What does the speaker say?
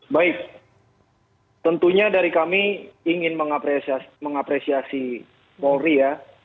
baik tentunya dari kami ingin mengapresiasi polri ya